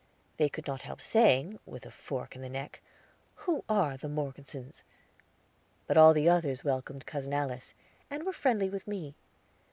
They could not help saying, with a fork of the neck, "Who are the Morgesons?" But all the others welcomed Cousin Alice, and were friendly with me.